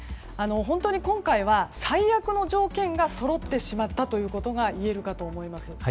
本当に今回は最悪の条件がそろってしまったということがいえるかと思います。